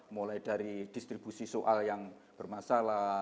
mulai dari distribusi soal yang bermasalah